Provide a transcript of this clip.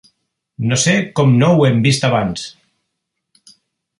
No sé com no ho hem vist abans!